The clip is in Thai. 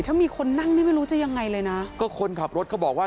ถ้ามีคนนั่งนี่ไม่รู้จะยังไงเลยนะก็คนขับรถเขาบอกว่า